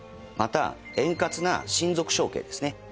また円滑な親族承継ですね。